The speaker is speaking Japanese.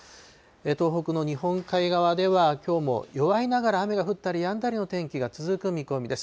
東北の日本海側ではきょうも弱いながら雨が降ったりやんだりの天気が続く見込みです。